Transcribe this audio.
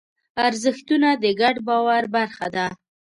ارزښتونه د ګډ باور برخه ده.